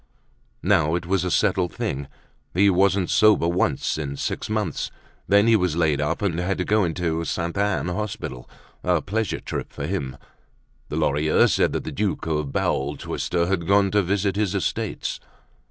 Now it was a settled thing. He wasn't sober once in six months; then he was laid up and had to go into the Sainte Anne hospital; a pleasure trip for him. The Lorilleuxs said that the Duke of Bowel Twister had gone to visit his estates.